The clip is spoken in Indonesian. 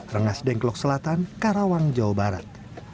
rengas dengklok selatan karawang jawa barat